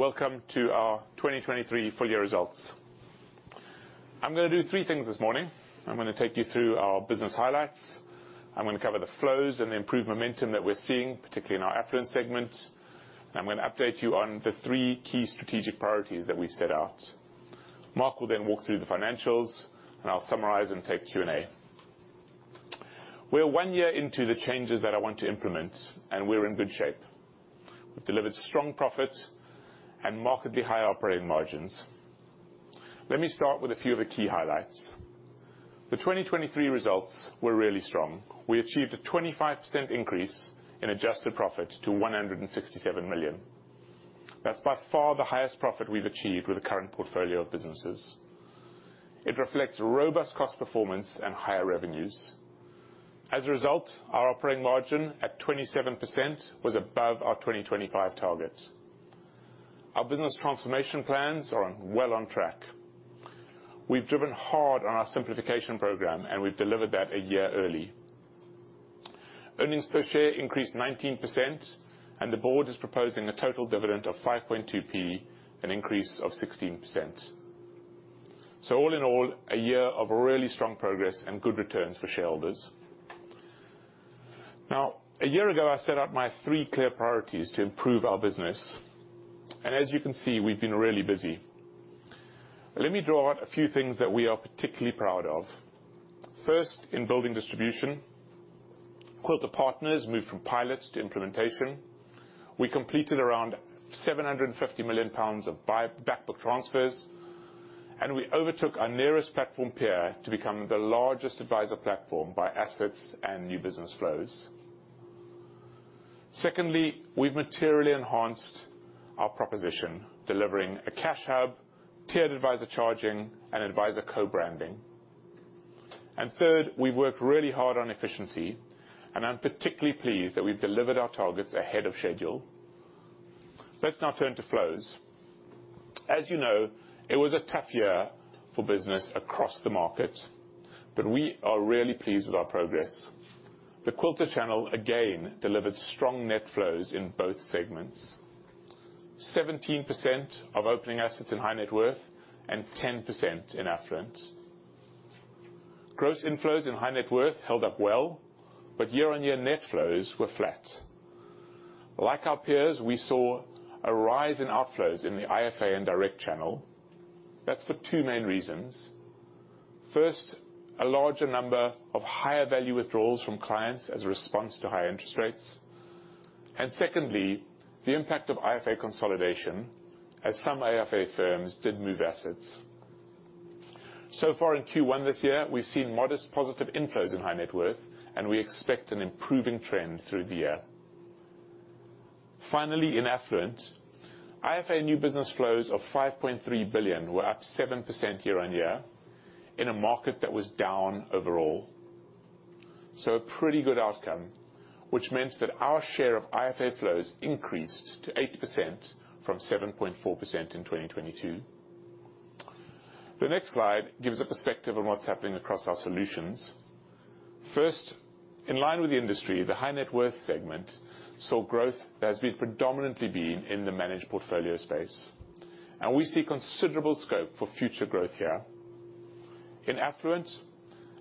Everyone, and welcome to our 2023 full-year results. I'm going to do three things this morning. I'm going to take you through our business highlights. I'm going to cover the flows and the improved momentum that we're seeing, particularly in our affluent segment, and I'm going to update you on the three key strategic priorities that we've set out. Mark will then walk through the financials, and I'll summarize and take Q&A. We're one year into the changes that I want to implement, and we're in good shape. We've delivered strong profit and markedly high operating margins. Let me start with a few of the key highlights. The 2023 results were really strong. We achieved a 25% increase in adjusted profit to 167 million. That's by far the highest profit we've achieved with the current portfolio of businesses. It reflects robust cost performance and higher revenues. As a result, our operating margin at 27% was above our 2025 target. Our business transformation plans are well on track. We've driven hard on our simplification program, and we've delivered that a year early. Earnings per share increased 19%, and the board is proposing a total dividend of GBP 5.2p, an increase of 16%. All in all, a year of really strong progress and good returns for shareholders. Now, a year ago, I set out my three clear priorities to improve our business, and as you can see, we've been really busy. Let me draw out a few things that we are particularly proud of. First, in building distribution, Quilter Partners moved from pilots to implementation. We completed around 750 million pounds of backbook transfers, and we overtook our nearest platform peer to become the largest advisor platform by assets and new business flows. Secondly, we've materially enhanced our proposition, delivering a cash Hub, tiered advisor charging, and advisor co-branding. Third, we've worked really hard on efficiency, and I'm particularly pleased that we've delivered our targets ahead of schedule. Let's now turn to flows. As you know, it was a tough year for business across the market, but we are really pleased with our progress. The Quilter Channel, again, delivered strong net flows in both segments: 17% of opening assets in High Net Worth and 10% in Affluent. Gross inflows in High Net Worth held up well, but year-on-year net flows were flat. Like our peers, we saw a rise in outflows in the IFA and direct channel. That's for two main reasons. First, a larger number of higher-value withdrawals from clients as a response to higher interest rates. Secondly, the impact of IFA consolidation, as some IFA firms did move assets. So far in Q1 this year, we've seen modest positive inflows in high net worth, and we expect an improving trend through the year. Finally, in affluent, IFA new business flows of 5.3 billion were up 7% year-on-year in a market that was down overall. A pretty good outcome, which meant that our share of IFA flows increased to 8% from 7.4% in 2022. The next slide gives a perspective on what's happening across our solutions. First, in line with the industry, the high net worth segment saw growth that has predominantly been in the managed portfolio space, and we see considerable scope for future growth here. In affluent,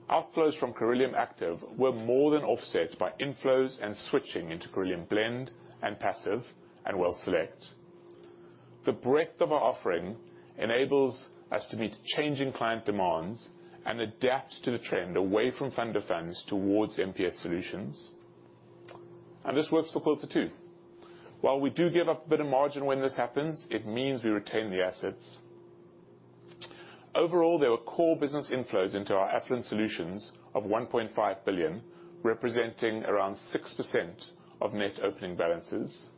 outflows from Cirilium Active were more than offset by inflows and switching into Cirilium Blend and Passive and WealthSelect. The breadth of our offering enables us to meet changing client demands and adapt to the trend away from fund-to-funds towards MPS solutions. This works for Quilter too. While we do give up a bit of margin when this happens, it means we retain the assets. Overall, there were core business inflows into our affluent solutions of 1.5 billion, representing around 6% of net opening balances.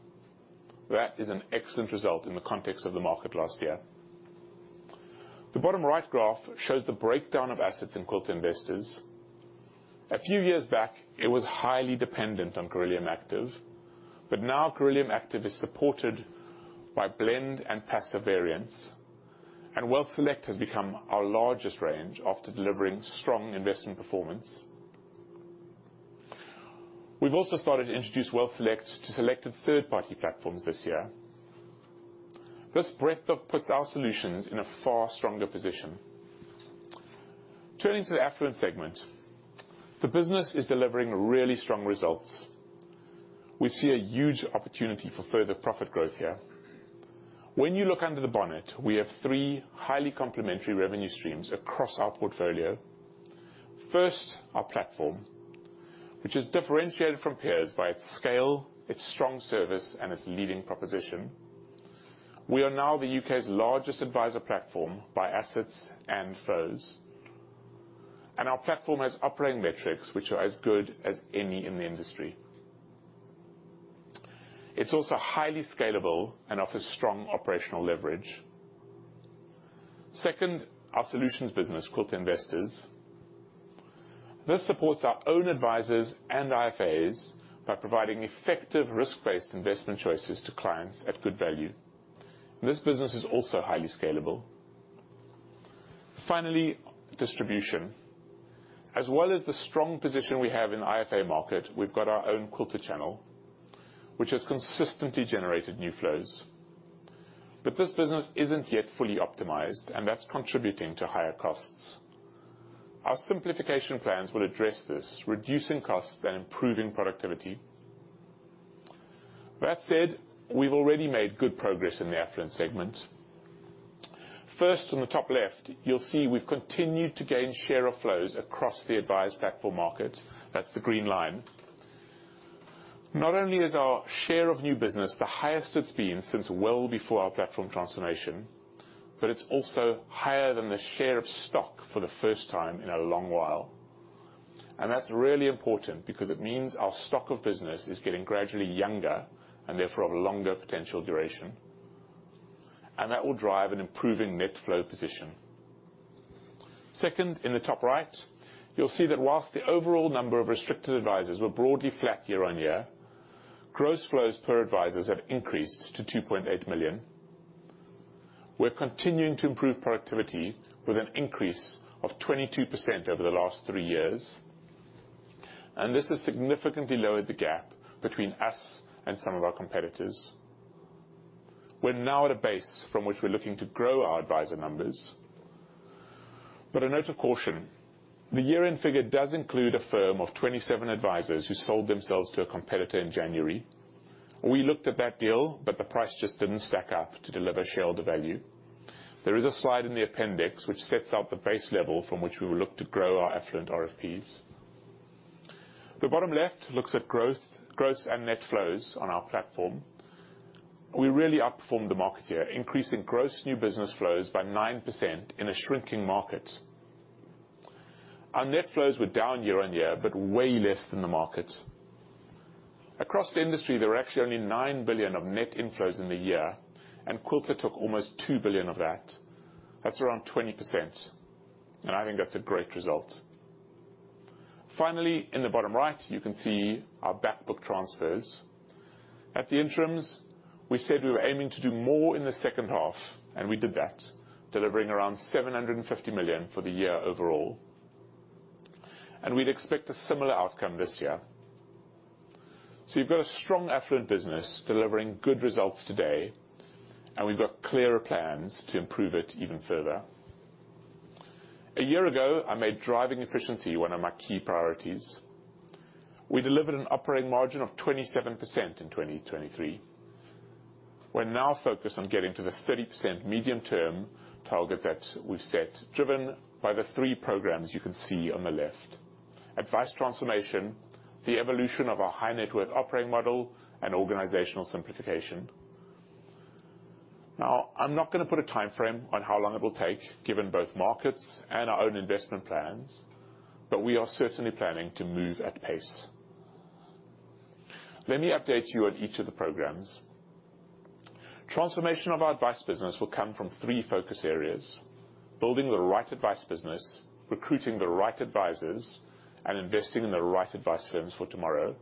That is an excellent result in the context of the market last year. The bottom-right graph shows the breakdown of assets in Quilter Investors. A few years back, it was highly dependent on Cirilium Active, but now Cirilium Active is supported by Cirilium Blend and Cirilium Passive variants, and WealthSelect has become our largest range after delivering strong investment performance. We've also started to introduce WealthSelect to selected third-party platforms this year. This breadth puts our solutions in a far stronger position. Turning to the affluent segment, the business is delivering really strong results. We see a huge opportunity for further profit growth here. When you look under the bonnet, we have three highly complementary revenue streams across our portfolio. First, our platform, which is differentiated from peers by its scale, its strong service, and its leading proposition. We are now the U.K.'s largest advisor platform by assets and flows, and our platform has operating metrics which are as good as any in the industry. It's also highly scalable and offers strong operational leverage. Second, our solutions business, Quilter investors. This supports our own advisors and IFAs by providing effective risk-based investment choices to clients at good value. This business is also highly scalable. Finally, distribution. As well as the strong position we have in the IFA market, we've got our own Quilter Channel, which has consistently generated new flows. But this business isn't yet fully optimized, and that's contributing to higher costs. Our simplification plans will address this, reducing costs and improving productivity. That said, we've already made good progress in the affluent segment. First, on the top left, you'll see we've continued to gain share of flows across the advised platform market. That's the green line. Not only is our share of new business the highest it's been since well before our platform transformation, but it's also higher than the share of stock for the first time in a long while. That's really important because it means our stock of business is getting gradually younger and therefore of longer potential duration. That will drive an improving net flow position. Second, in the top right, you'll see that while the overall number of restricted advisors were broadly flat year-on-year, gross flows per advisor have increased to 2.8 million. We're continuing to improve productivity with an increase of 22% over the last three years. This has significantly lowered the gap between us and some of our competitors. We're now at a base from which we're looking to grow our advisor numbers. But a note of caution: the year-end figure does include a firm of 27 advisors who sold themselves to a competitor in January. We looked at that deal, but the price just didn't stack up to deliver shareholder value. There is a slide in the appendix which sets out the base level from which we will look to grow our affluent RFPs. The bottom left looks at gross and net flows on our platform. We really outperformed the market here, increasing gross new business flows by 9% in a shrinking market. Our net flows were down year-on-year but way less than the market. Across the industry, there were actually only 9 billion of net inflows in the year, and Quilter took almost 2 billion of that. That's around 20%, and I think that's a great result. Finally, in the bottom right, you can see our backbook transfers. At the interims, we said we were aiming to do more in the second half, and we did that, delivering around 750 million for the year overall. We'd expect a similar outcome this year. You've got a strong affluent business delivering good results today, and we've got clearer plans to improve it even further. A year ago, I made driving efficiency one of my key priorities. We delivered an operating margin of 27% in 2023. We're now focused on getting to the 30% medium-term target that we've set, driven by the three programs you can see on the left: advised transformation, the evolution of our High Net Worth operating model, and organizational simplification. Now, I'm not going to put a timeframe on how long it will take given both markets and our own investment plans, but we are certainly planning to move at pace. Let me update you on each of the programs. Transformation of our advised business will come from three focus areas: building the right advised business, recruiting the right advisors, and investing in the right advised firms for tomorrow.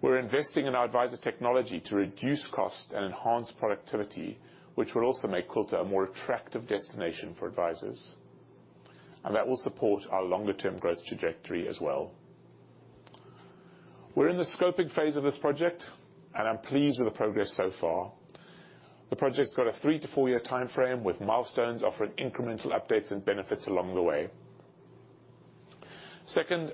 We're investing in our advisor technology to reduce cost and enhance productivity, which will also make Quilter a more attractive destination for advisors. That will support our longer-term growth trajectory as well. We're in the scoping phase of this project, and I'm pleased with the progress so far. The project's got a three-four-year timeframe with milestones offering incremental updates and benefits along the way. Second,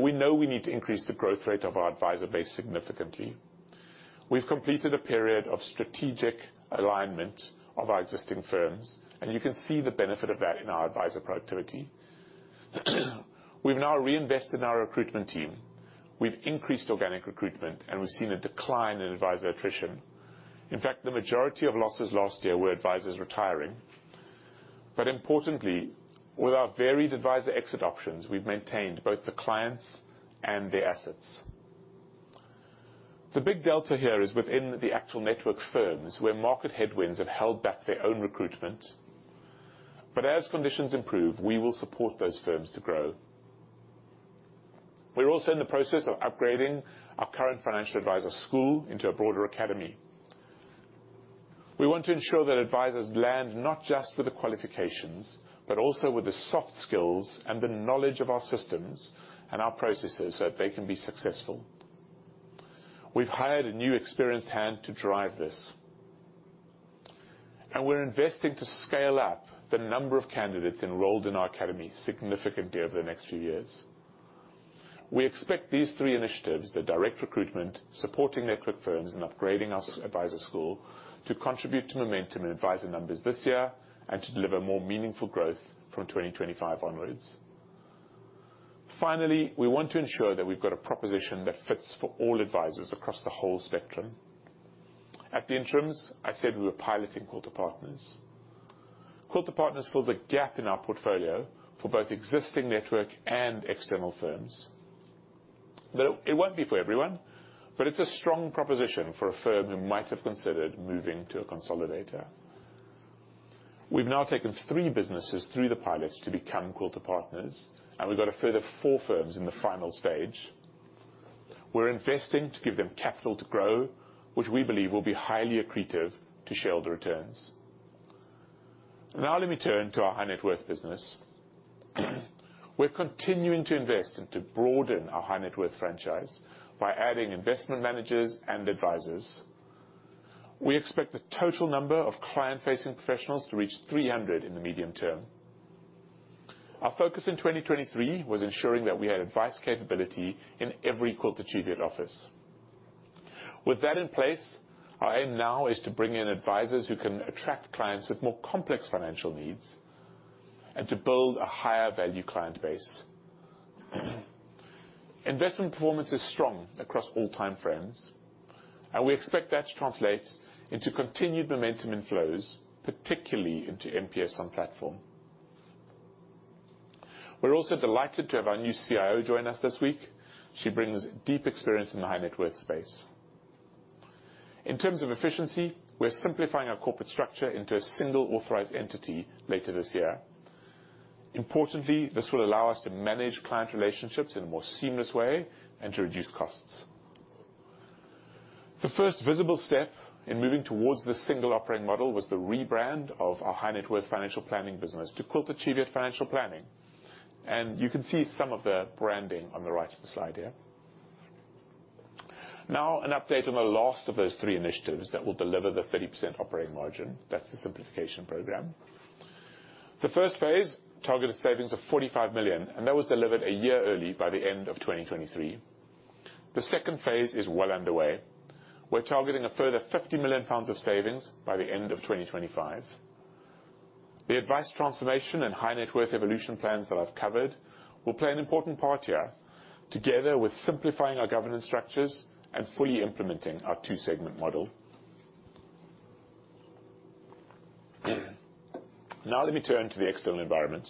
we know we need to increase the growth rate of our advisor base significantly. We've completed a period of strategic alignment of our existing firms, and you can see the benefit of that in our advisor productivity. We've now reinvested in our recruitment team. We've increased organic recruitment, and we've seen a decline in advisor attrition. In fact, the majority of losses last year were advisors retiring. But importantly, with our varied advisor exit options, we've maintained both the clients and their assets. The big delta here is within the actual network firms, where market headwinds have held back their own recruitment. But as conditions improve, we will support those firms to grow. We're also in the process of upgrading our current financial advisor school into a broader academy. We want to ensure that advisors land not just with the qualifications, but also with the soft skills and the knowledge of our systems and our processes so that they can be successful. We've hired a new experienced hand to drive this. We're investing to scale up the number of candidates enrolled in our academy significantly over the next few years. We expect these three initiatives - the direct recruitment, supporting network firms, and upgrading our advisor school - to contribute to momentum in advisor numbers this year and to deliver more meaningful growth from 2025 onwards. Finally, we want to ensure that we've got a proposition that fits for all advisors across the whole spectrum. At the interims, I said we were piloting Quilter Partners. Quilter Partners fills a gap in our portfolio for both existing network and external firms. It won't be for everyone, but it's a strong proposition for a firm who might have considered moving to a consolidator. We've now taken three businesses through the pilots to become Quilter Partners, and we've got a further four firms in the final stage. We're investing to give them capital to grow, which we believe will be highly accretive to shareholder returns. Now, let me turn to our high net worth business. We're continuing to invest and to broaden our high net worth franchise by adding investment managers and advisors. We expect the total number of client-facing professionals to reach 300 in the medium term. Our focus in 2023 was ensuring that we had advice capability in every Quilter Cheviot office. With that in place, our aim now is to bring in advisors who can attract clients with more complex financial needs and to build a higher-value client base. Investment performance is strong across all timeframes, and we expect that to translate into continued momentum in flows, particularly into MPS on platform. We're also delighted to have our new CIO join us this week. She brings deep experience in the high net worth space. In terms of efficiency, we're simplifying our corporate structure into a single authorized entity later this year. Importantly, this will allow us to manage client relationships in a more seamless way and to reduce costs. The first visible step in moving towards this single operating model was the rebrand of our high net worth financial planning business to Quilter Cheviot Financial Planning. You can see some of the branding on the right of the slide here. Now, an update on the last of those three initiatives that will deliver the 30% operating margin. That's the simplification program. The first phase targeted savings of 45 million, and that was delivered a year early by the end of 2023. The second phase is well underway. We're targeting a further 50 million pounds of savings by the end of 2025. The advised transformation and High Net Worth evolution plans that I've covered will play an important part here, together with simplifying our governance structures and fully implementing our two-segment model. Now, let me turn to the external environment.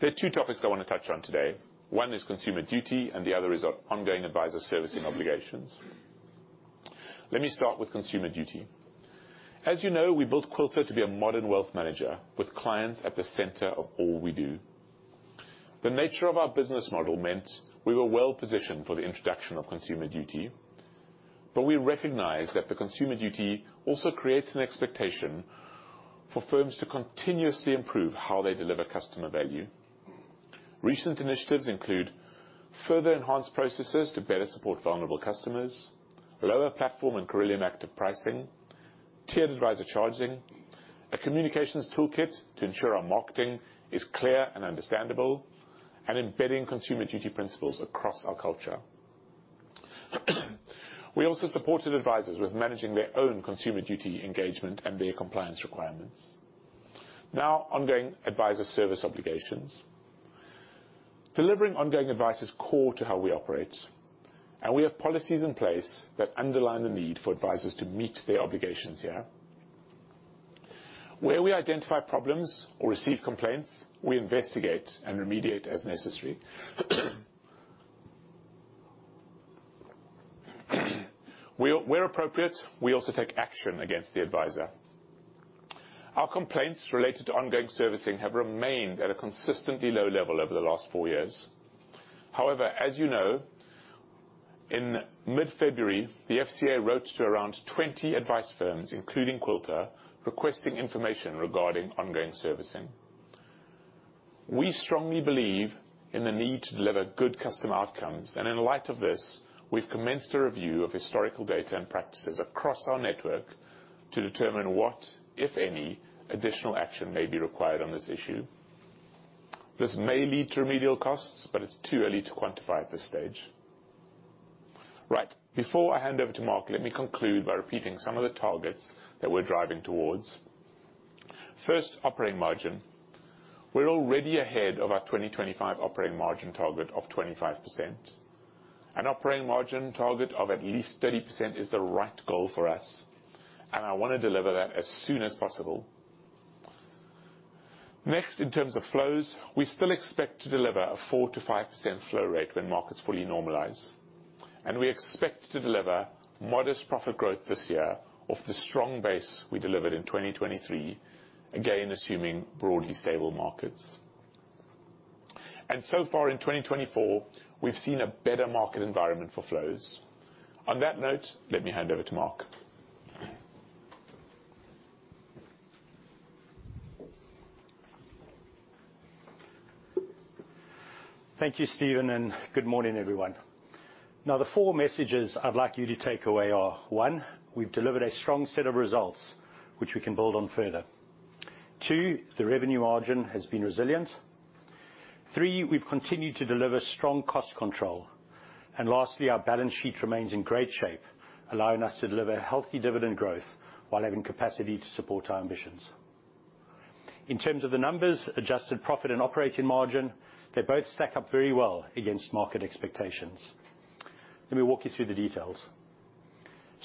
There are two topics I want to touch on today. One is Consumer Duty, and the other is ongoing advisor servicing obligations. Let me start with Consumer Duty. As you know, we built Quilter to be a modern wealth manager with clients at the center of all we do. The nature of our business model meant we were well-positioned for the introduction of Consumer Duty, but we recognize that the Consumer Duty also creates an expectation for firms to continuously improve how they deliver customer value. Recent initiatives include further enhanced processes to better support vulnerable customers, lower platform and Cirilium Active pricing, tiered advisor charging, a communications toolkit to ensure our marketing is clear and understandable, and embedding Consumer Duty principles across our culture. We also supported advisors with managing their own Consumer Duty engagement and their compliance requirements. Now, ongoing advisor service obligations. Delivering ongoing advice is core to how we operate, and we have policies in place that underline the need for advisors to meet their obligations here. Where we identify problems or receive complaints, we investigate and remediate as necessary. Where appropriate, we also take action against the advisor. Our complaints related to ongoing servicing have remained at a consistently low level over the last four years. However, as you know, in mid-February, the FCA wrote to around 20 advisor firms, including Quilter, requesting information regarding ongoing servicing. We strongly believe in the need to deliver good customer outcomes, and in light of this, we've commenced a review of historical data and practices across our network to determine what, if any, additional action may be required on this issue. This may lead to remedial costs, but it's too early to quantify at this stage. Before I hand over to Mark, let me conclude by repeating some of the targets that we're driving towards. First, operating margin. We're already ahead of our 2025 operating margin target of 25%. An operating margin target of at least 30% is the right goal for us, and I want to deliver that as soon as possible. Next, in terms of flows, we still expect to deliver a 4%-5% flow rate when markets fully normalize. We expect to deliver modest profit growth this year off the strong base we delivered in 2023, again assuming broadly stable markets. So far, in 2024, we've seen a better market environment for flows. On that note, let me hand over to Mark. Thank you, Steven, and good morning, everyone. Now, the four messages I'd like you to take away are: One, we've delivered a strong set of results which we can build on further. Two, the revenue margin has been resilient. Three, we've continued to deliver strong cost control. Lastly, our balance sheet remains in great shape, allowing us to deliver healthy dividend growth while having capacity to support our ambitions. In terms of the numbers, adjusted profit and operating margin, they both stack up very well against market expectations. Let me walk you through the details.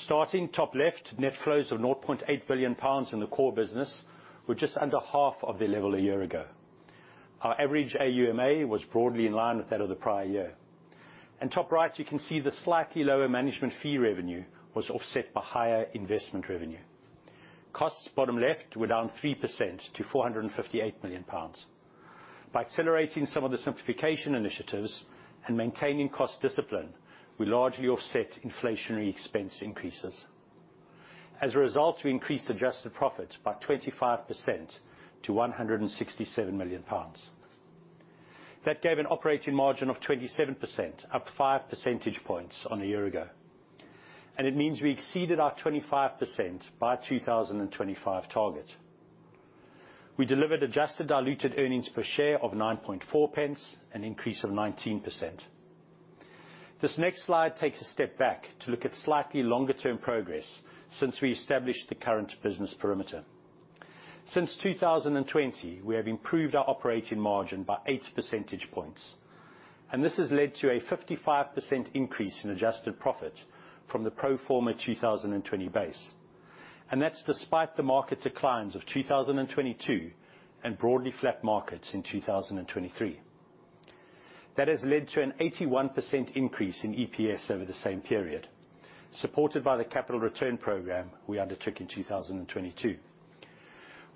Starting top left, net flows of 0.8 billion pounds in the core business were just under half of their level a year ago. Our average AUMA was broadly in line with that of the prior year. Top right, you can see the slightly lower management fee revenue was offset by higher investment revenue. Costs bottom left were down 3% to 458 million pounds. By accelerating some of the simplification initiatives and maintaining cost discipline, we largely offset inflationary expense increases. As a result, we increased adjusted profits by 25% to 167 million pounds. That gave an operating margin of 27%, up five percentage points on a year ago. It means we exceeded our 25% by 2025 target. We delivered adjusted diluted earnings per share of 0.09, an increase of 19%. This next slide takes a step back to look at slightly longer-term progress since we established the current business perimeter. Since 2020, we have improved our operating margin by eight percentage points, and this has led to a 55% increase in adjusted profit from the pro forma 2020 base. That's despite the market declines of 2022 and broadly flat markets in 2023. That has led to an 81% increase in EPS over the same period, supported by the capital return program we undertook in 2022.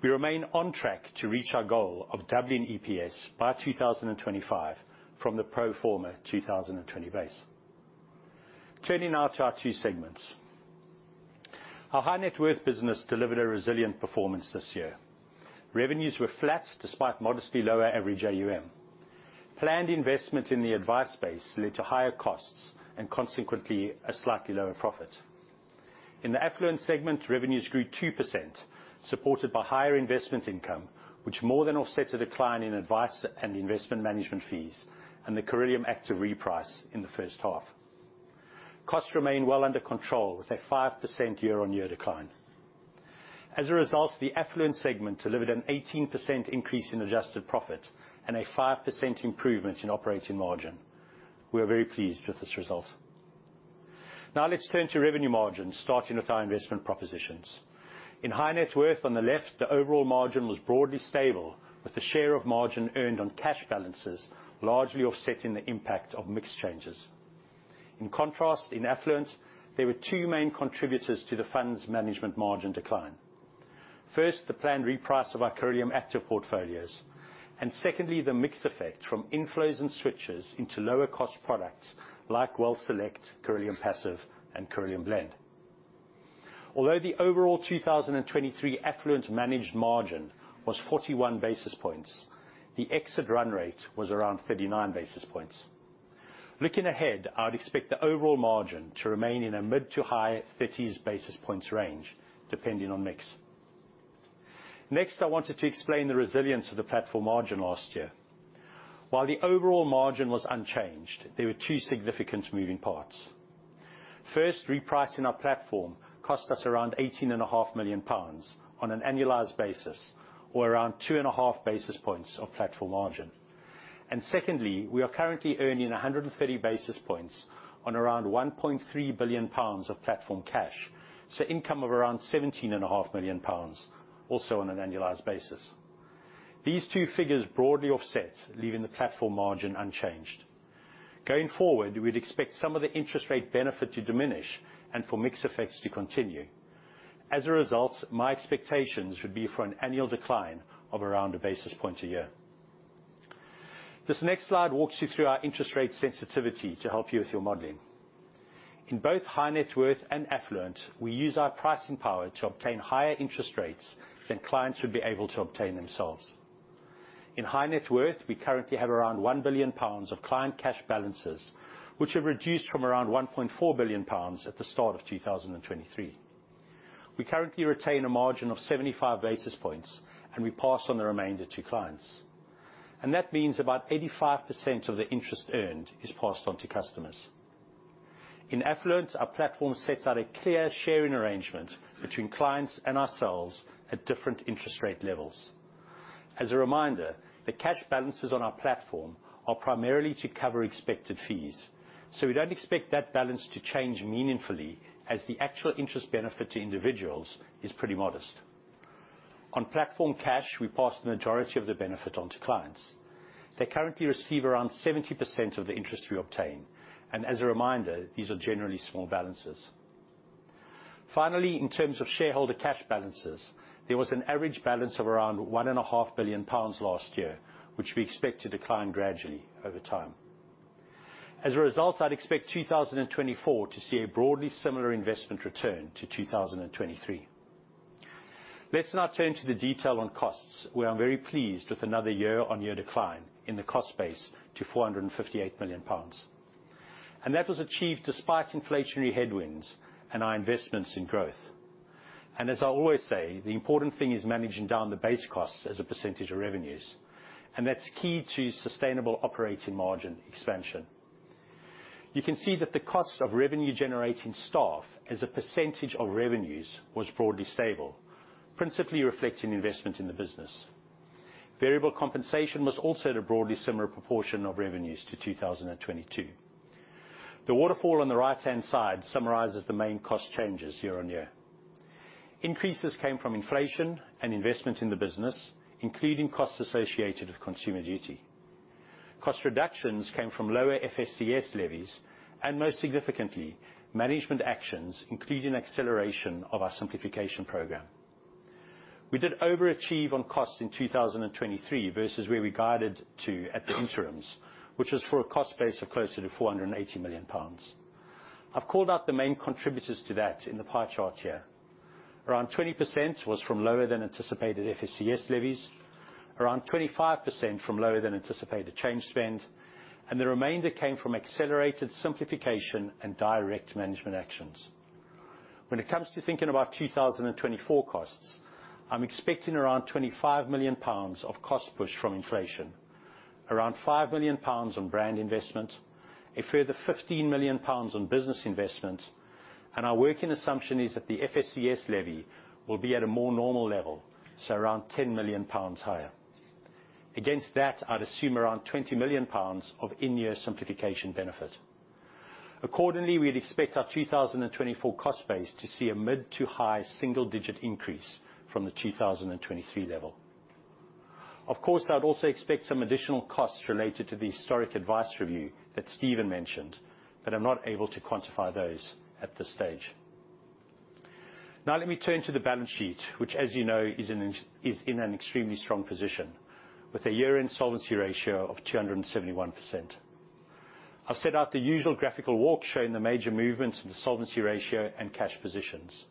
We remain on track to reach our goal of doubling EPS by 2025 from the pro forma 2020 base. Turning now to our two segments. Our High Net Worth business delivered a resilient performance this year. Revenues were flat despite modestly lower average AUM. Planned investment in the advisor base led to higher costs and consequently a slightly lower profit. In the Affluent segment, revenues grew 2%, supported by higher investment income, which more than offset a decline in advice and investment management fees and the Cirilium Active reprice in the first half. Costs remain well under control with a 5% year-on-year decline. As a result, the Affluent segment delivered an 18% increase in adjusted profit and a 5% improvement in operating margin. We are very pleased with this result. Now, let's turn to revenue margin, starting with our investment propositions. In High Net Worth on the left, the overall margin was broadly stable with the share of margin earned on cash balances largely offsetting the impact of mixed changes. In contrast, in Affluent, there were two main contributors to the fund's management margin decline. First, the planned reprice of our Cirilium Active portfolios. Secondly, the mixed effect from inflows and switches into lower-cost products like WealthSelect, Cirilium Passive, and Cirilium Blend. Although the overall 2023 Affluent managed margin was 41 basis points, the exit run rate was around 39 basis points. Looking ahead, I would expect the overall margin to remain in a mid- to high-30s basis points range, depending on mix. Next, I wanted to explain the resilience of the platform margin last year. While the overall margin was unchanged, there were two significant moving parts. First, repricing our platform cost us around 18.5 million pounds on an annualized basis, or around 2.5 basis points of platform margin. Secondly, we are currently earning 130 basis points on around 1.3 billion pounds of platform cash, so income of around 17.5 million pounds, also on an annualized basis. These two figures broadly offset, leaving the platform margin unchanged. Going forward, we'd expect some of the interest rate benefit to diminish and for mixed effects to continue. As a result, my expectations would be for an annual decline of around a basis point a year. This next slide walks you through our interest rate sensitivity to help you with your modeling. In both high net worth and affluent, we use our pricing power to obtain higher interest rates than clients would be able to obtain themselves. In high net worth, we currently have around 1 billion pounds of client cash balances, which have reduced from around 1.4 billion pounds at the start of 2023. We currently retain a margin of 75 basis points, and we pass on the remainder to clients. That means about 85% of the interest earned is passed on to customers. In Affluent, our platform sets out a clear sharing arrangement between clients and ourselves at different interest rate levels. As a reminder, the cash balances on our platform are primarily to cover expected fees, so we don't expect that balance to change meaningfully as the actual interest benefit to individuals is pretty modest. On platform cash, we pass the majority of the benefit onto clients. They currently receive around 70% of the interest we obtain, and as a reminder, these are generally small balances. Finally, in terms of shareholder cash balances, there was an average balance of around 1.5 billion pounds last year, which we expect to decline gradually over time. As a result, I'd expect 2024 to see a broadly similar investment return to 2023. Let's now turn to the detail on costs, where I'm very pleased with another year-on-year decline in the cost base to 458 million pounds. That was achieved despite inflationary headwinds and our investments in growth. As I always say, the important thing is managing down the base costs as a percentage of revenues, and that's key to sustainable operating margin expansion. You can see that the cost of revenue-generating staff as a percentage of revenues was broadly stable, principally reflecting investment in the business. Variable compensation was also at a broadly similar proportion of revenues to 2022. The waterfall on the right-hand side summarizes the main cost changes year-on-year. Increases came from inflation and investment in the business, including costs associated with Consumer Duty. Cost reductions came from lower FSCS levies, and most significantly, management actions, including acceleration of our simplification program. We did overachieve on costs in 2023 versus where we guided to at the interims, which was for a cost base of closer to 480 million pounds. I've called out the main contributors to that in the pie chart here. Around 20% was from lower-than-anticipated FSCS levies, around 25% from lower-than-anticipated change spend, and the remainder came from accelerated simplification and direct management actions. When it comes to thinking about 2024 costs, I'm expecting around 25 million pounds of cost push from inflation, around 5 million pounds on brand investment, a further 15 million pounds on business investment, and our working assumption is that the FSCS levy will be at a more normal level, so around 10 million pounds higher. Against that, I'd assume around 20 million pounds of in-year simplification benefit. Accordingly, we'd expect our 2024 cost base to see a mid- to high single-digit increase from the 2023 level. Of course, I'd also expect some additional costs related to the historic advice review that Steven mentioned, but I'm not able to quantify those at this stage. Now, let me turn to the balance sheet, which, as you know, is in an extremely strong position with a year-end solvency ratio of 271%. I've set out the usual graphical walk showing the major movements in the solvency ratio and cash positions.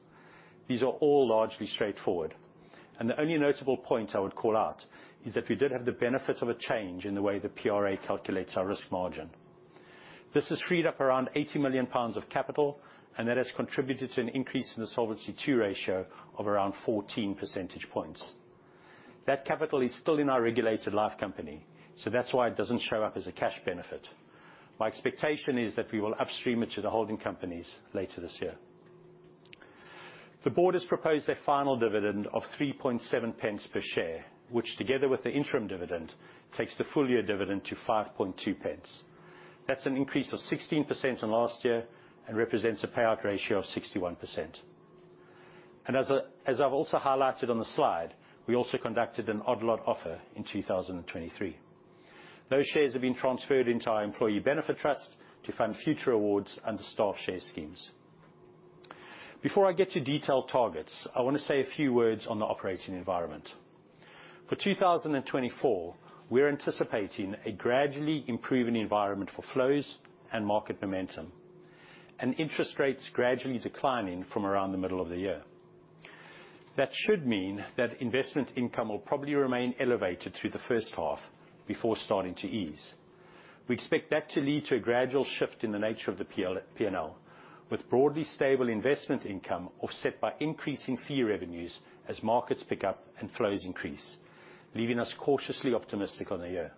These are all largely straightforward, and the only notable point I would call out is that we did have the benefit of a change in the way the PRA calculates our risk margin. This has freed up around 80 million pounds of capital, and that has contributed to an increase in the solvency ratio of around 14 percentage points. That capital is still in our regulated life company, so that's why it doesn't show up as a cash benefit. My expectation is that we will upstream it to the holding companies later this year. The board has proposed a final dividend of 3.7 per share, which, together with the interim dividend, takes the full-year dividend to 5.2. That's an increase of 16% on last year and represents a payout ratio of 61%. As I've also highlighted on the slide, we also conducted an Odd-lot Offer in 2023. Those shares have been transferred into our Employee Benefit Trust to fund future awards under staff share schemes. Before I get to detailed targets, I want to say a few words on the operating environment. For 2024, we're anticipating a gradually improving environment for flows and market momentum, and interest rates gradually declining from around the middle of the year. That should mean that investment income will probably remain elevated through the first half before starting to ease. We expect that to lead to a gradual shift in the nature of the P&L, with broadly stable investment income offset by increasing fee revenues as markets pick up and flows increase, leaving us cautiously optimistic on the year.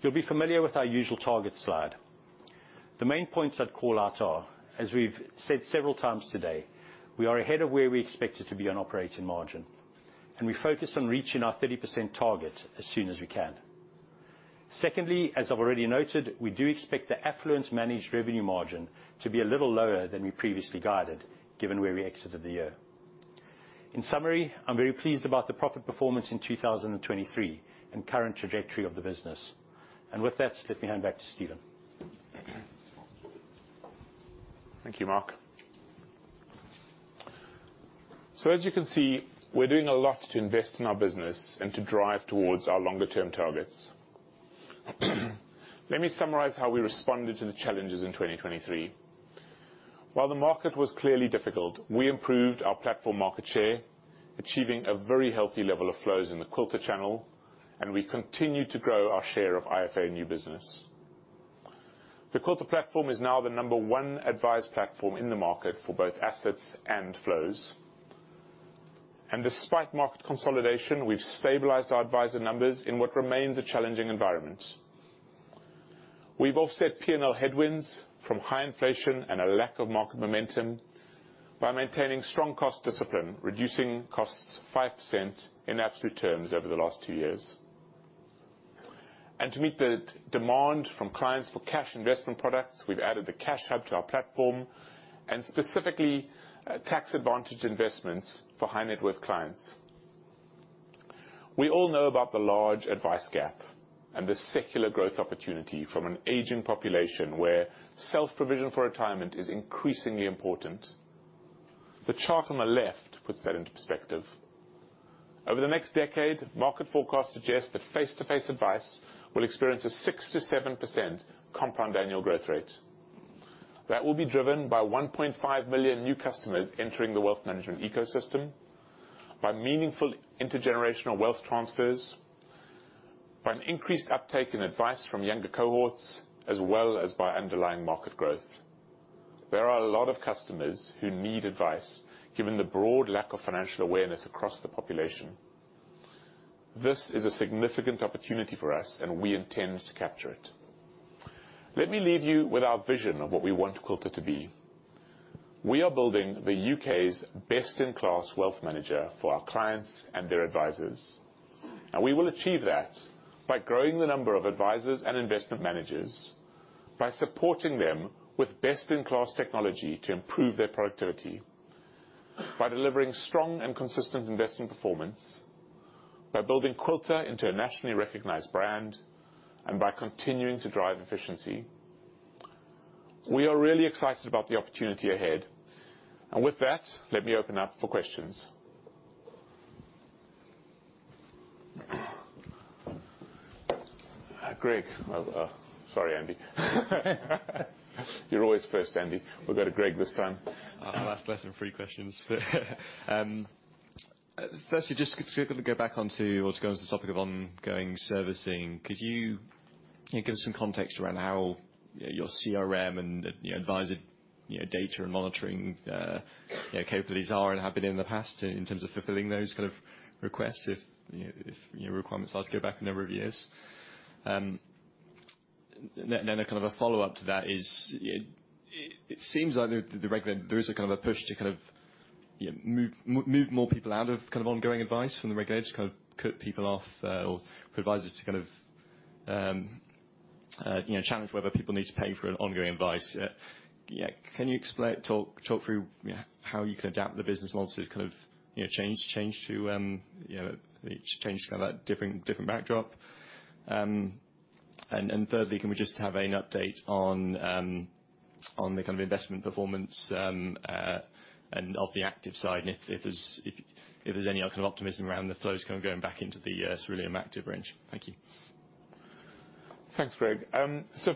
You'll be familiar with our usual target slide. The main points I'd call out are, as we've said several times today, we are ahead of where we expected to be on operating margin, and we focus on reaching our 30% target as soon as we can. Secondly, as I've already noted, we do expect the affluent managed revenue margin to be a little lower than we previously guided, given where we exited the year. In summary, I'm very pleased about the profit performance in 2023 and current trajectory of the business. With that, let me hand back to Steven. Thank you, Mark. As you can see, we're doing a lot to invest in our business and to drive towards our longer-term targets. Let me summarize how we responded to the challenges in 2023. While the market was clearly difficult, we improved our platform market share, achieving a very healthy level of flows in the Quilter channel, and we continued to grow our share of IFA new business. The Quilter platform is now the number one advice platform in the market for both assets and flows. Despite market consolidation, we've stabilized our advisor numbers in what remains a challenging environment. We've offset P&L headwinds from high inflation and a lack of market momentum by maintaining strong cost discipline, reducing costs 5% in absolute terms over the last two years. To meet the demand from clients for cash investment products, we've added the cash Hub to our platform, and specifically tax-advantaged investments for high net worth clients. We all know about the large advice gap and the secular growth opportunity from an aging population where self-provision for retirement is increasingly important. The chart on the left puts that into perspective. Over the next decade, market forecasts suggest that face-to-face advice will experience a 6%-7% compound annual growth rate. That will be driven by 1.5 million new customers entering the wealth management ecosystem, by meaningful intergenerational wealth transfers, by an increased uptake in advice from younger cohorts, as well as by underlying market growth. There are a lot of customers who need advice, given the broad lack of financial awareness across the population. This is a significant opportunity for us, and we intend to capture it. Let me leave you with our vision of what we want Quilter to be. We are building the U.K.'s best-in-class wealth manager for our clients and their advisors. We will achieve that by growing the number of advisors and investment managers, by supporting them with best-in-class technology to improve their productivity, by delivering strong and consistent investment performance, by building Quilter an internationally recognized brand, and by continuing to drive efficiency. We are really excited about the opportunity ahead. With that, let me open up for questions. Greg. Sorry, Andy. You're always first, Andy. We've got a Greg this time. Last lesson, free questions. Firstly, just going to go back onto or to go onto the topic of ongoing servicing. Could you give us some context around how your CRM and advisor data and monitoring capabilities are and have been in the past in terms of fulfilling those requests if requirements start to go back a number of years? Then a follow-up to that is, it seems like there is a push to move more people out of ongoing advice from the regulators, cut people off, or for advisors to challenge whether people need to pay for ongoing advice. Can you talk through how you can adapt the business model to change to a different backdrop? And thirdly, can we just have an update on the investment performance of the active side and if there's any optimism around the flows going back into the Cirilium Active range? Thank you. Thanks, Greg.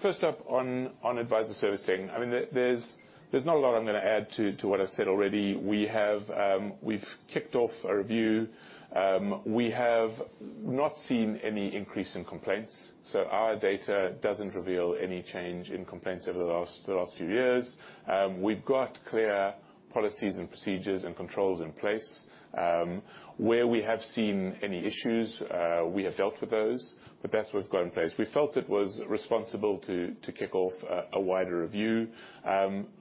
First up, on advisor servicing, there's not a lot I'm going to add to what I've said already. We've kicked off a review. We have not seen any increase in complaints, so our data doesn't reveal any change in complaints over the last few years. We've got clear policies and procedures and controls in place. Where we have seen any issues, we have dealt with those, but that's what we've got in place. We felt it was responsible to kick off a wider review.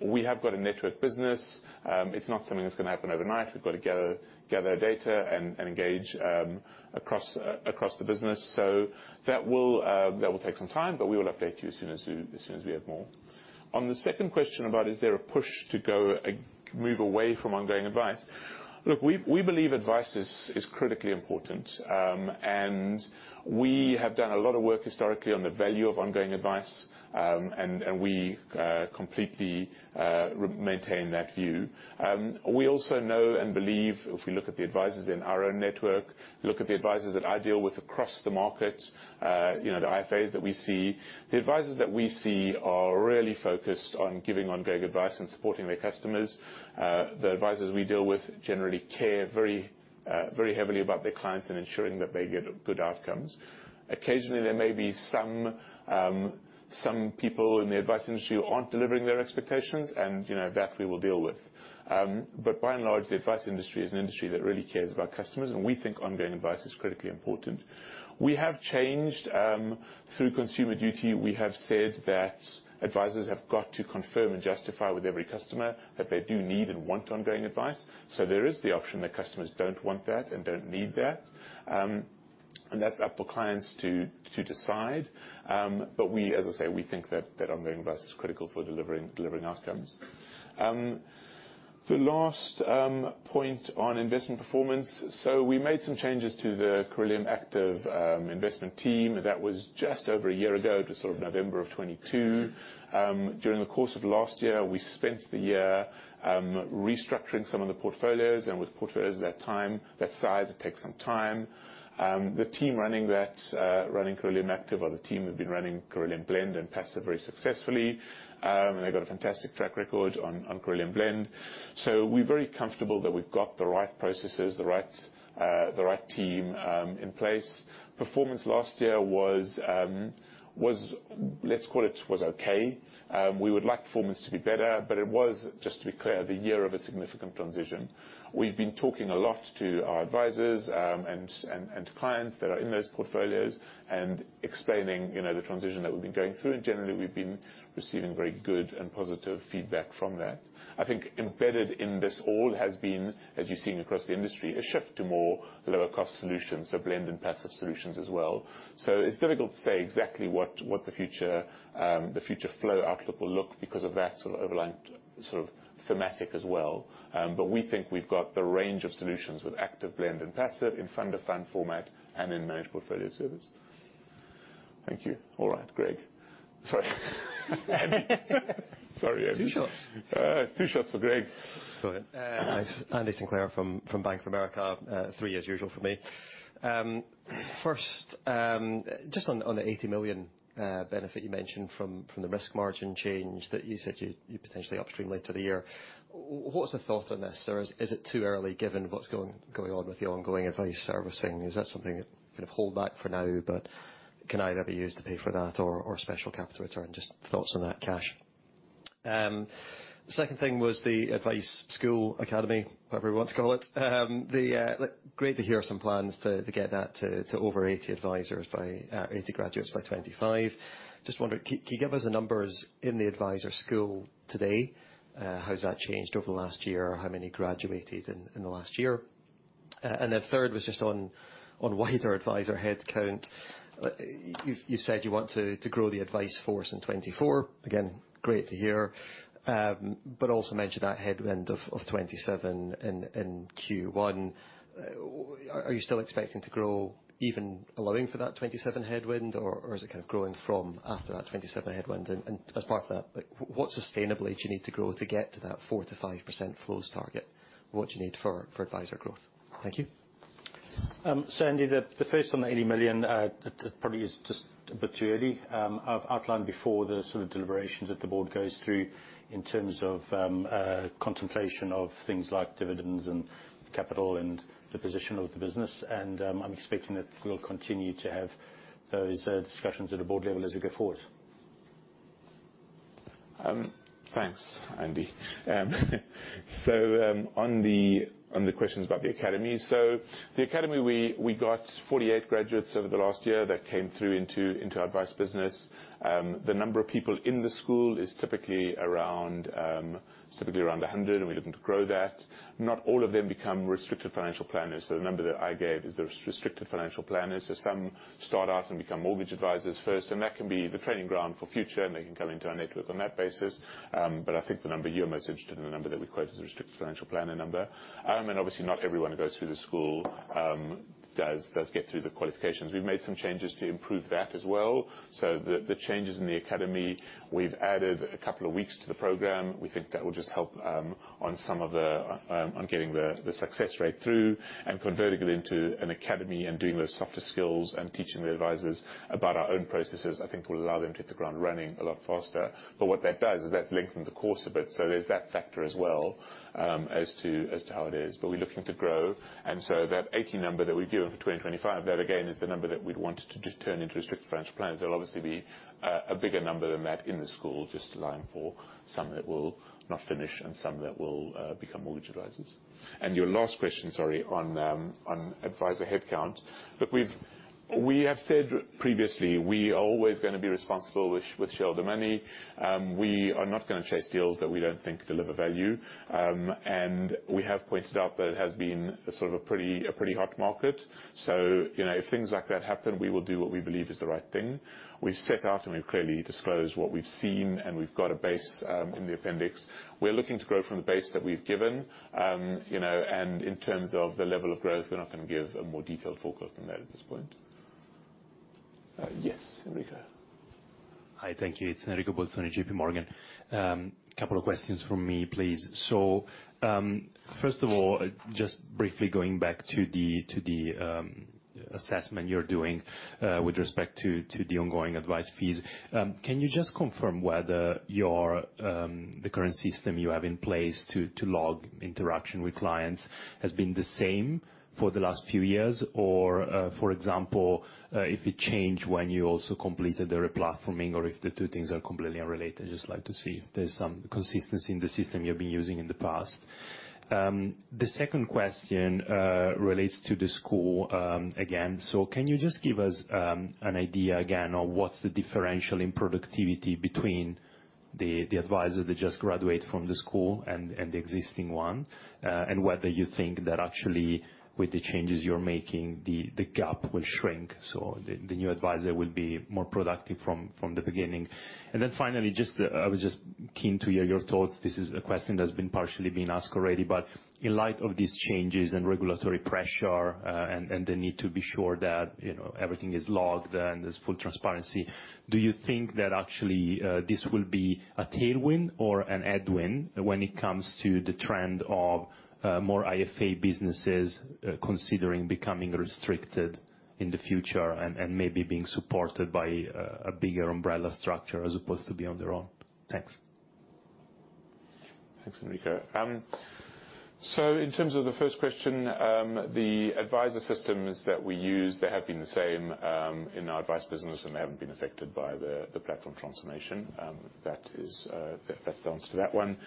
We have got a network business. It's not something that's going to happen overnight. We've got to gather data and engage across the business. That will take some time, but we will update you as soon as we have more. On the second question about, is there a push to move away from ongoing advice? Look, we believe advice is critically important, and we have done a lot of work historically on the value of ongoing advice, and we completely maintain that view. We also know and believe, if we look at the advisors in our own network, look at the advisors that I deal with across the market, the IFAs that we see, the advisors that we see are really focused on giving ongoing advice and supporting their customers. The advisors we deal with generally care very heavily about their clients and ensuring that they get good outcomes. Occasionally, there may be some people in the advice industry who aren't delivering their expectations, and that we will deal with. But by and large, the advice industry is an industry that really cares about customers, and we think ongoing advice is critically important. We have changed through Consumer Duty. We have said that advisors have got to confirm and justify with every customer that they do need and want ongoing advice. There is the option that customers don't want that and don't need that, and that's up for clients to decide. But as I say, we think that ongoing advice is critical for delivering outcomes. The last point on investment performance. We made some changes to the Cirilium Active investment team. That was just over a year ago, November of 2022. During the course of last year, we spent the year restructuring some of the portfolios. With portfolios of that size, it takes some time. The team running Cirilium Active or the team who've been running Cirilium Blend and Passive very successfully, and they've got a fantastic track record on Cirilium Blend. We're very comfortable that we've got the right processes, the right team in place. Performance last year was, let's call it, okay. We would like performance to be better, but it was, just to be clear, the year of a significant transition. We've been talking a lot to our advisors and to clients that are in those portfolios and explaining the transition that we've been going through, and generally, we've been receiving very good and positive feedback from that. I think embedded in this all has been, as you're seeing across the industry, a shift to more lower-cost solutions, so Blend and Passive solutions as well. It's difficult to say exactly what the future flow outlook will look because of that overlying thematic as well, but we think we've got the range of solutions with Active, Blend, and Passive in fund-to-fund format and in managed portfolio service. Thank you. All right, Greg. Sorry, Andy. Two shots. Two shots for Greg. Go ahead. I'm Andy Sinclair from Bank of America. Three as usual for me. First, just on the 80 million benefit you mentioned from the risk margin change that you said you'd potentially upstream later the year, what's the thought on this? Is it too early given what's going on with the ongoing advice servicing? Is that something that hold back for now, but can I ever use to pay for that or special capital return? Just thoughts on that, cash. Second thing was the advice school academy, whatever you want to call it. Great to hear some plans to get that to over 80 graduates by 2025. Just wondering, can you give us the numbers in the advisor school today? How's that changed over the last year? How many graduated in the last year? Third was just on wider advisor headcount. You've said you want to grow the advice force in 2024. Again, great to hear, but also mentioned that headwind of 2027 in Q1. Are you still expecting to grow even allowing for that 2027 headwind, or is it growing from after that 2027 headwind? As part of that, what sustainably do you need to grow to get to that 4%-5% flows target? What do you need for advisor growth? Thank you. Andy, the first on the 80 million probably is just a bit too early. I've outlined before the deliberations that the board goes through in terms of contemplation of things like dividends and capital and the position of the business, and I'm expecting that we'll continue to have those discussions at a board level as we go forward. Thanks, Andy. On the questions about the academy, the academy, we got 48 graduates over the last year that came through into our advice business. The number of people in the school is typically around 100, and we're looking to grow that. Not all of them become restricted financial planners, so the number that I gave is the restricted financial planners. Some start out and become mortgage advisors first, and that can be the training ground for future, and they can come into our network on that basis. But I think the number you're most interested in, the number that we quote as a restricted financial planner number. Obviously, not everyone who goes through the school does get through the qualifications. We've made some changes to improve that as well. The changes in the academy, we've added a couple of weeks to the program. We think that will just help on getting the success rate through and converting it into an academy and doing those softer skills and teaching the advisors about our own processes. I think it will allow them to hit the ground running a lot faster. But what that does is that's lengthened the course a bit, so there's that factor as well as to how it is. But we're looking to grow. That 80 number that we've given for 2025, that again is the number that we'd want to turn into restricted financial planners. There'll obviously be a bigger number than that in the school just allowing for some that will not finish and some that will become mortgage advisors. Your last question, sorry, on advisor headcount. Look, we have said previously we are always going to be responsible with shareholder money. We are not going to chase deals that we don't think deliver value. We have pointed out that it has been a pretty hot market, so if things like that happen, we will do what we believe is the right thing. We've set out and we've clearly disclosed what we've seen, and we've got a base in the appendix. We're looking to grow from the base that we've given, and in terms of the level of growth, we're not going to give a more detailed forecast than that at this point. Yes, Enrico. Hi, thank you. It's Enrico Bolzoni, J.P. Morgan. Couple of questions from me, please. First of all, just briefly going back to the assessment you're doing with respect to the ongoing advice fees, can you just confirm whether the current system you have in place to log interaction with clients has been the same for the last few years, or for example, if it changed when you also completed the replatforming or if the two things are completely unrelated? I'd just like to see if there's some consistency in the system you've been using in the past. The second question relates to the school again. Can you just give us an idea again of what's the differential in productivity between the advisor that just graduated from the school and the existing one, and whether you think that actually with the changes you're making, the gap will shrink, so the new advisor will be more productive from the beginning? Then finally, I was just keen to hear your thoughts. This is a question that's been partially being asked already, but in light of these changes and regulatory pressure and the need to be sure that everything is logged and there's full transparency, do you think that actually this will be a tailwind or a headwind when it comes to the trend of more IFA businesses considering becoming restricted in the future and maybe being supported by a bigger umbrella structure as opposed to being on their own? Thanks. Thanks, Enrico. In terms of the first question, the advisor systems that we use, they have been the same in our advice business, and they haven't been affected by the platform transformation. That's the answer to that one.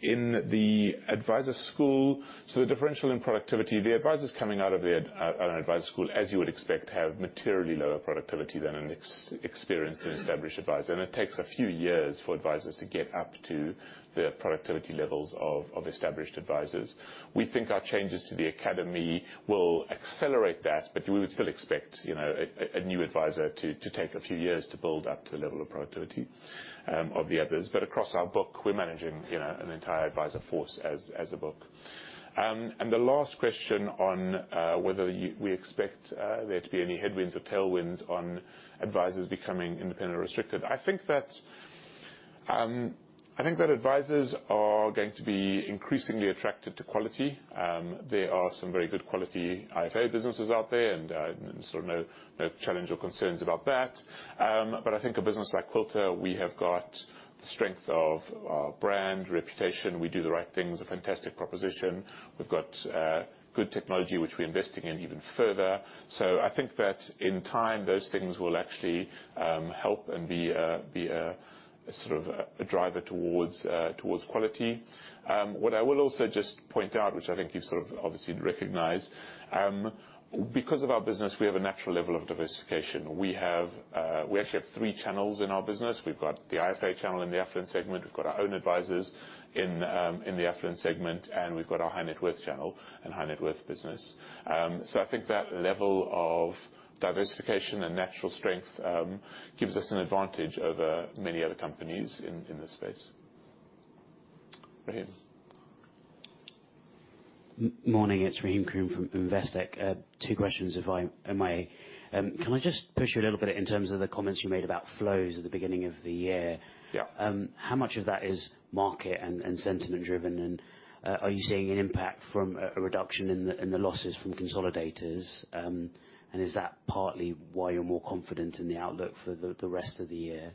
In the advisor school, the differential in productivity, the advisors coming out of an advisor school, as you would expect, have materially lower productivity than an experienced and established advisor. It takes a few years for advisors to get up to the productivity levels of established advisors. We think our changes to the academy will accelerate that, but we would still expect a new advisor to take a few years to build up to the level of productivity of the others. But across our book, we're managing an entire advisor force as a book. The last question on whether we expect there to be any headwinds or tailwinds on advisors becoming independent or restricted. I think that advisors are going to be increasingly attracted to quality. There are some very good quality IFA businesses out there, and no challenge or concerns about that. But I think a business like Quilter, we have got the strength of our brand, reputation. We do the right things, a fantastic proposition. We've got good technology, which we're investing in even further. I think that in time, those things will actually help and be a driver towards quality. What I will also just point out, which I think you've obviously recognized, because of our business, we have a natural level of diversification. We actually have three channels in our business. We've got the IFA channel in the affluent segment. We've got our own advisors in the Affluent segment, and we've got our High-Net-Worth channel and High-Net-Worth business. I think that level of diversification and natural strength gives us an advantage over many other companies in this space. Rahim? Morning, it's Rahim Karim from Investec. Two questions, if I may. Can I just push you a little bit in terms of the comments you made about flows at the beginning of the year? How much of that is market and sentiment-driven, and are you seeing an impact from a reduction in the losses from consolidators, and is that partly why you're more confident in the outlook for the rest of the year?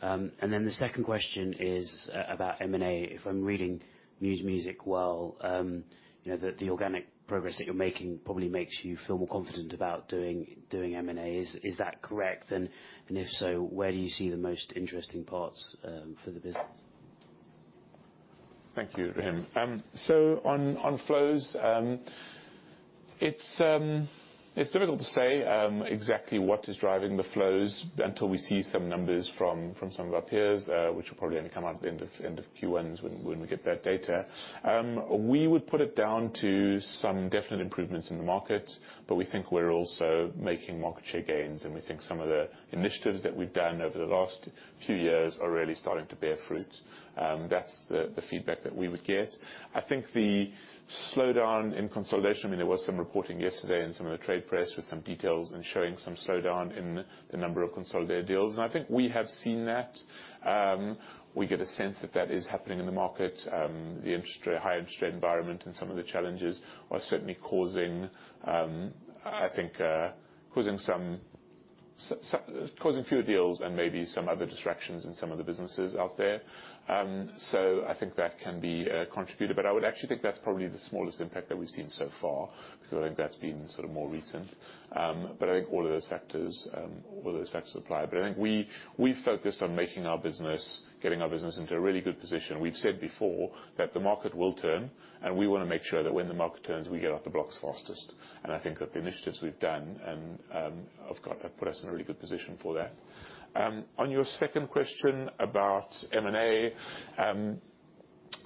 Then the second question is about M&A. If I'm reading mood music well, the organic progress that you're making probably makes you feel more confident about doing M&A. Is that correct? If so, where do you see the most interesting parts for the business? Thank you, Rahim. On flows, it's difficult to say exactly what is driving the flows until we see some numbers from some of our peers, which will probably only come out at the end of Q1s when we get that data. We would put it down to some definite improvements in the market, but we think we're also making market share gains, and we think some of the initiatives that we've done over the last few years are really starting to bear fruit. That's the feedback that we would get. I think the slowdown in consolidation. There was some reporting yesterday in some of the trade press with some details and showing some slowdown in the number of consolidated deals. I think we have seen that. We get a sense that that is happening in the market. The higher interest rate environment and some of the challenges are certainly causing, I think, fewer deals and maybe some other distractions in some of the businesses out there. I think that can be a contributor, but I would actually think that's probably the smallest impact that we've seen so far because I think that's been more recent. But I think all of those factors apply. But I think we've focused on getting our business into a really good position. We've said before that the market will turn, and we want to make sure that when the market turns, we get off the blocks fastest. I think that the initiatives we've done have put us in a really good position for that. On your second question about M&A,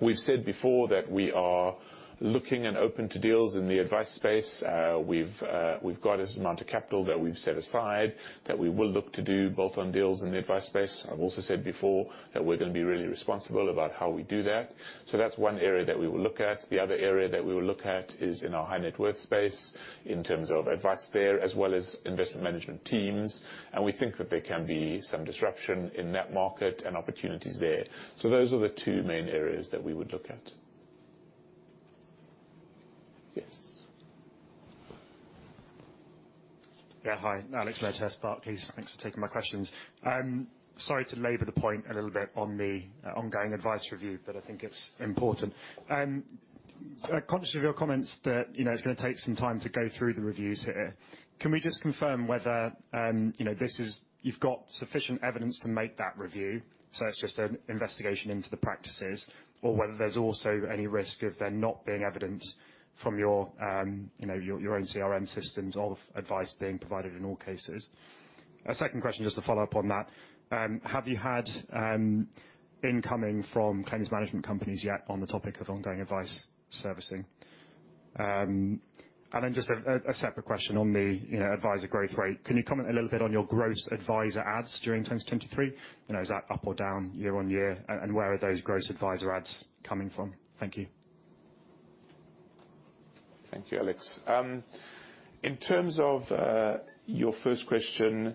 we've said before that we are looking and open to deals in the advice space. We've got as much capital that we've set aside that we will look to do bolt-on deals in the advice space. I've also said before that we're going to be really responsible about how we do that. That's one area that we will look at. The other area that we will look at is in our high-net-worth space in terms of advice there as well as investment management teams, and we think that there can be some disruption in that market and opportunities there. Those are the two main areas that we would look at. Yes. Hi, Alex. Majher, Spark, please. Thanks for taking my questions. Sorry to labor the point a little bit on the ongoing advice review, but I think it's important. Conscious of your comments that it's going to take some time to go through the reviews here, can we just confirm whether you've got sufficient evidence to make that review, so it's just an investigation into the practices, or whether there's also any risk of there not being evidence from your own CRM systems of advice being provided in all cases? A second question, just to follow up on that, have you had incoming from claims management companies yet on the topic of ongoing advice servicing? Then just a separate question on the advisor growth rate. Can you comment a little bit on your gross advisor adds during 2023? Is that up or down year-over-year, and where are those gross advisor ads coming from? Thank you. Thank you, Alex. In terms of your first question,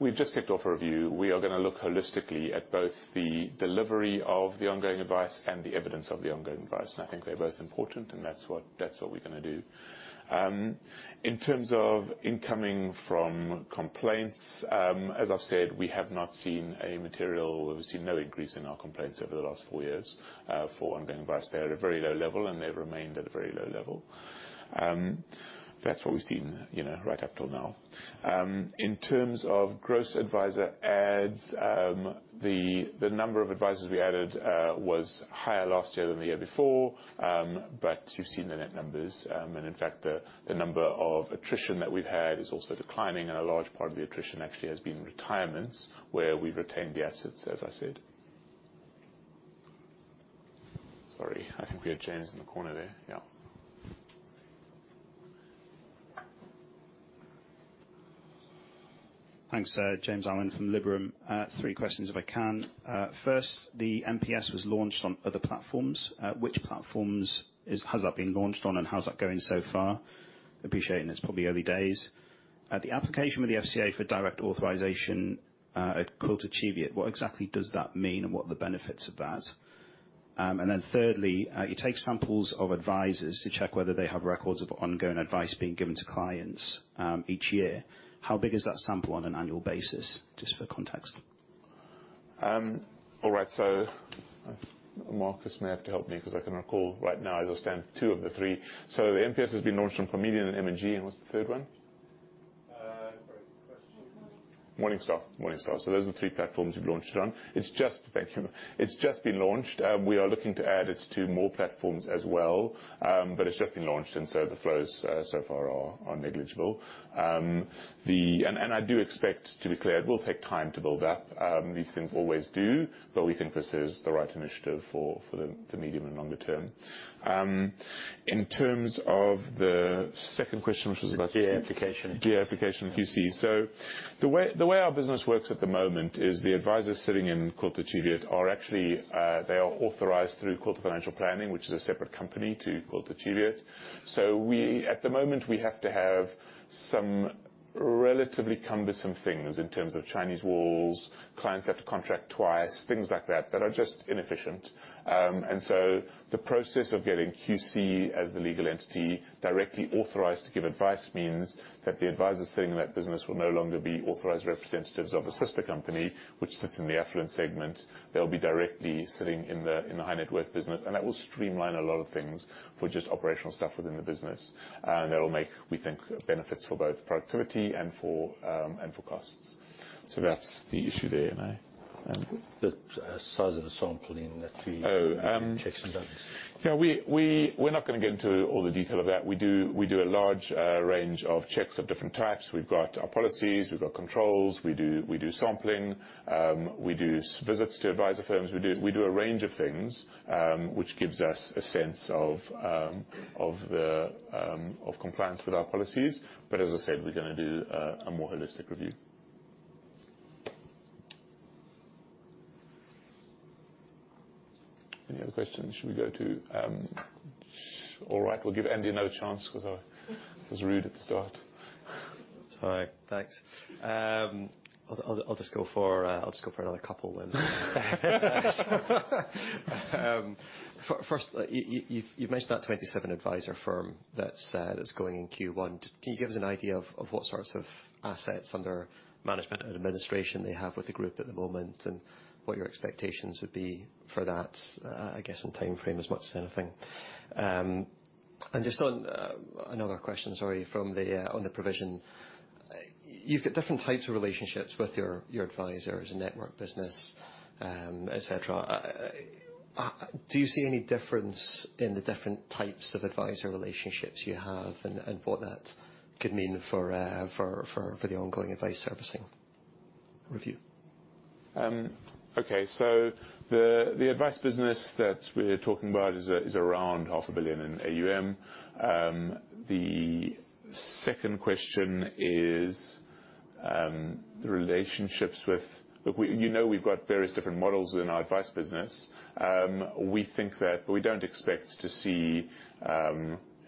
we've just kicked off a review. We are going to look holistically at both the delivery of the ongoing advice and the evidence of the ongoing advice. I think they're both important, and that's what we're going to do. In terms of incoming from complaints, as I've said, we have not seen a material increase. We've seen no increase in our complaints over the last four years for ongoing advice. They're at a very low level, and they've remained at a very low level. That's what we've seen right up till now. In terms of gross advisor adds, the number of advisors we added was higher last year than the year before, but you've seen the net numbers. In fact, the number of attrition that we've had is also declining, and a large part of the attrition actually has been retirements where we've retained the assets, as I said. Sorry, I think we had James in the corner there. Yeah. Thanks, James Allen from Liberum. Three questions, if I can. First, the MPS was launched on other platforms. Which platforms has that been launched on, and how's that going so far? Appreciating it's probably early days. The application with the FCA for direct authorization at Quilter Cheviot, what exactly does that mean and what are the benefits of that? Then thirdly, you take samples of advisors to check whether they have records of ongoing advice being given to clients each year. How big is that sample on an annual basis, just for context? All right. Marcus may have to help me because I can recall right now as I stand, two of the three. The MPS has been launched on Parmenion and M&G, and what's the third one? Morningstar. Morningstar. Those are the three platforms we've launched it on. It's just been launched. We are looking to add it to more platforms as well, but it's just been launched, and so the flows so far are negligible. I do expect, to be clear, it will take time to build up. These things always do, but we think this is the right initiative for the medium and longer term. In terms of the second question, which was about. DA application. DA application, QC. The way our business works at the moment is the advisors sitting in Quilter Cheviot are actually they are authorized through Quilter Financial Planning, which is a separate company to Quilter Cheviot. At the moment, we have to have some relatively cumbersome things in terms of Chinese walls, clients have to contract twice, things like that that are just inefficient. The process of getting QC as the legal entity directly authorized to give advice means that the advisors sitting in that business will no longer be authorized representatives of a sister company, which sits in the Affluent segment. They'll be directly sitting in the High Net Worth business, and that will streamline a lot of things for just operational stuff within the business. That'll make, we think, benefits for both productivity and for costs. That's the issue there, and I. The size of the sampling that we check and done. Yeah. We're not going to get into all the detail of that. We do a large range of checks of different types. We've got our policies, we've got controls, we do sampling, we do visits to advisor firms. We do a range of things, which gives us a sense of compliance with our policies. But as I said, we're going to do a more holistic review. Any other questions? Should we go to all right, we'll give Andy another chance because I was rude at the start. All right. Thanks. I'll just go for another couple then. First, you've mentioned that 27 advisor firm that's going in Q1. Can you give us an idea of what sorts of Assets Under Management and Administration they have with the group at the moment and what your expectations would be for that, I guess, in timeframe as much as anything? Just another question, sorry, on the provision. You've got different types of relationships with your advisors and network business, et cetera. Do you see any difference in the different types of advisor relationships you have and what that could mean for the ongoing advice servicing review? Okay. The advice business that we're talking about is around 500 million in AUM. The second question is the relationships with look, you know we've got various different models within our advice business. We think that, but we don't expect to see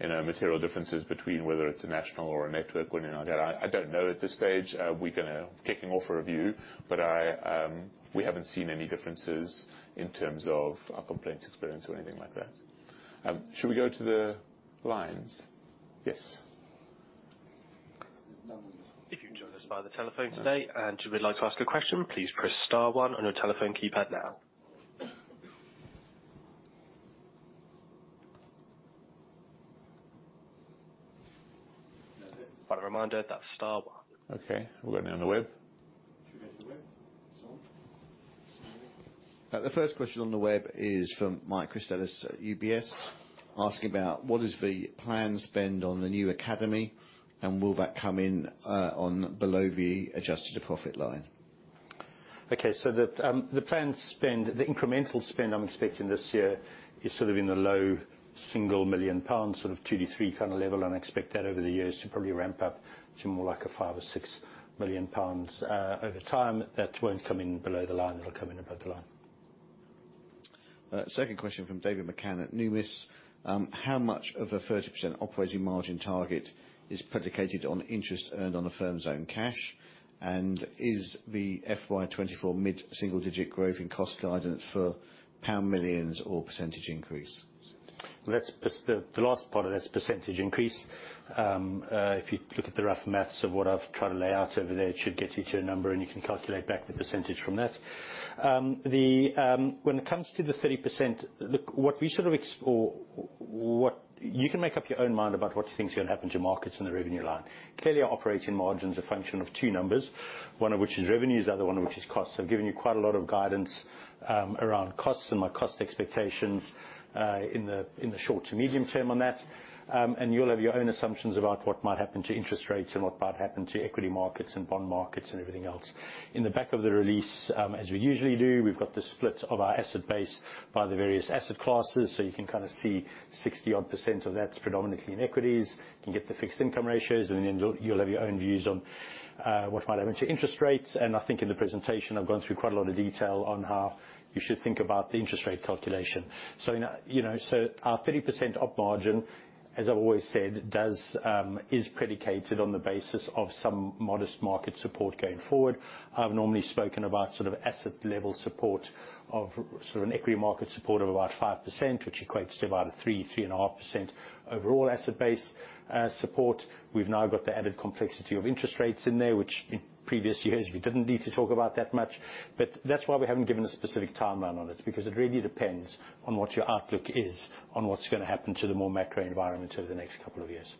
material differences between whether it's a national or a network one or another. I don't know at this stage. We're kicking off a review, but we haven't seen any differences in terms of our complaints experience or anything like that. Should we go to the lines? Yes. There's none on the phone. If you've joined us via the telephone today and you would like to ask a question, please press star one on your telephone keypad now. That's it. By the reminder, that's star one. Okay. We've got any on the web? Should we go to the web? The first question on the web is from Mike Christelis at UBS asking about what is the planned spend on the new academy, and will that come in below the adjusted profit line? Okay. The planned spend, the incremental spend I'm expecting this year is sort of in the low single million GBP, sort of 2 million to 3 million kind of level, and I expect that over the years to probably ramp up to more like a 5 million or 6 million pounds over time. That won't come in below the line. It'll come in above the line. Second question from David McCann at Numis. How much of a 30% operating margin target is predicated on interest earned on a firm's own cash, and is the FY2024 mid-single digit growth in cost guidance for pound millions or percentage increase? The last part of that's percentage increase. If you look at the rough math of what I've tried to lay out over there, it should get you to a number, and you can calculate back the percentage from that. When it comes to the 30%, look, what we sort of explore you can make up your own mind about what you think's going to happen to markets and the revenue line. Clearly, our operating margin's a function of two numbers, one of which is revenues, the other one of which is costs. I've given you quite a lot of guidance around costs and my cost expectations in the short to medium term on that, and you'll have your own assumptions about what might happen to interest rates and what might happen to equity markets and bond markets and everything else. In the back of the release, as we usually do, we've got the split of our asset base by the various asset classes, so you can kind of see 60-odd% of that's predominantly in equities. You can get the fixed income ratios, and then you'll have your own views on what might happen to interest rates. I think in the presentation, I've gone through quite a lot of detail on how you should think about the interest rate calculation. Our 30% op margin, as I've always said, is predicated on the basis of some modest market support going forward. I've normally spoken about asset-level support of an equity market support of about 5%, which equates to about a 3%-3.5% overall asset base support. We've now got the added complexity of interest rates in there, which in previous years, we didn't need to talk about that much. That's why we haven't given a specific timeline on it because it really depends on what your outlook is on what's going to happen to the more macro environment over the next couple of years.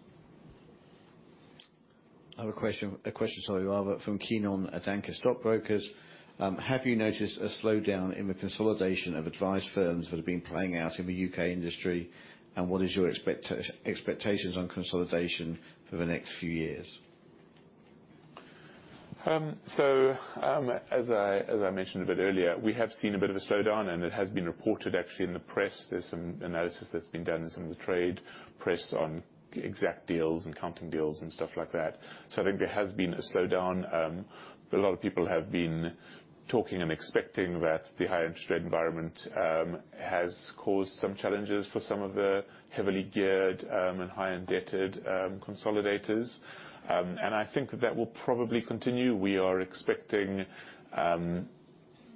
I have a question for you, Oliver, from Keon at Anchor Stockbrokers. Have you noticed a slowdown in the consolidation of advice firms that have been playing out in the U.K. industry, and what is your expectations on consolidation for the next few years? As I mentioned a bit earlier, we have seen a bit of a slowdown, and it has been reported actually in the press. There's some analysis that's been done in some of the trade press on exact deals and counting deals and stuff like that. I think there has been a slowdown. A lot of people have been talking and expecting that the higher interest rate environment has caused some challenges for some of the heavily geared and highly indebted consolidators. I think that that will probably continue.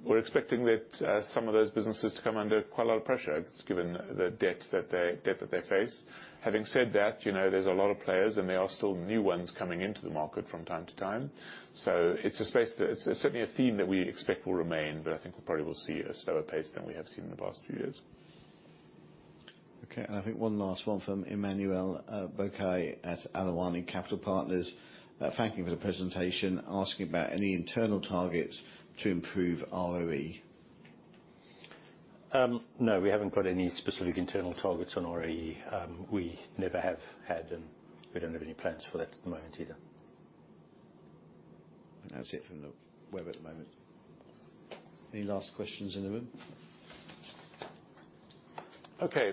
We're expecting that some of those businesses to come under quite a lot of pressure given the debt that they face. Having said that, there's a lot of players, and there are still new ones coming into the market from time to time. It's certainly a theme that we expect will remain, but I think we probably will see a slower pace than we have seen in the past few years. Okay. I think one last one from Emmanuel Boakye at Aluwani Capital Partners. Thank you for the presentation. Asking about any internal targets to improve ROE. No. We haven't got any specific internal targets on ROE. We never have had, and we don't have any plans for that at the moment either. That's it from the web at the moment. Any last questions in the room? Okay.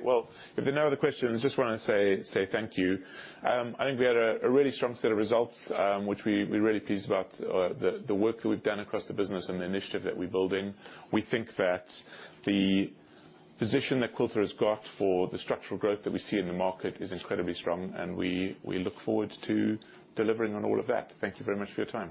If there are no other questions, I just want to say thank you. I think we had a really strong set of results, which we're really pleased about, the work that we've done across the business and the initiative that we're building. We think that the position that Quilter has got for the structural growth that we see in the market is incredibly strong, and we look forward to delivering on all of that. Thank you very much for your time.